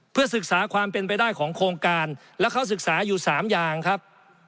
เพื่อศึกษาความเป็นไปได้ของโครงการแล้วเขาศึกษาอยู่๓อย่างครับ